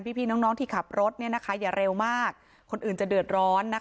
พี่พี่น้องน้องที่ขับรถเนี้ยนะคะอย่าเร็วมากคนอื่นจะเดือดร้อนนะคะ